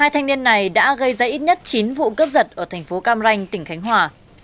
hai thanh niên này đã gây ra ít nhất chín vụ cướp giật ở thành phố cam ranh tỉnh khánh hòa